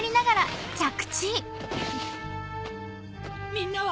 みんなは？